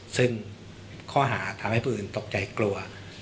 ซึ่งข้อหาทำให้ผู้อื่นตกใจกลัว